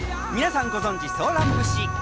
皆さんご存じ「ソーラン節」。